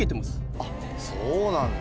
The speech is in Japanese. そうなんだ。